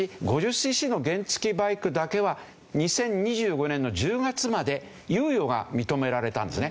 シーシーの原付バイクだけは２０２５年の１０月まで猶予が認められたんですね。